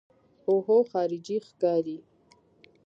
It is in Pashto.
اوهو خارجۍ ښکاري.